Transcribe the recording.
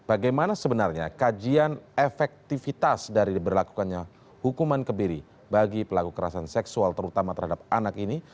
bagaimana sebenarnya kajian efektivitas dari diberlakukannya hukuman kebiri bagi pelaku kerasan seksual terutama terhadap anak ini